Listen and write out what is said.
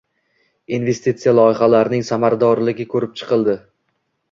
Investitsiya loyihalarining samaradorligi ko‘rib chiqilding